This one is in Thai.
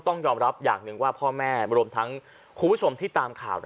ต้องยอมรับอย่างหนึ่งว่าพ่อแม่รวมทั้งคุณผู้ชมที่ตามข่าว